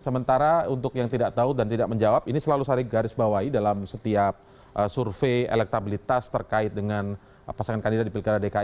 sementara untuk yang tidak tahu dan tidak menjawab ini selalu saya garis bawahi dalam setiap survei elektabilitas terkait dengan pasangan kandidat di pilkada dki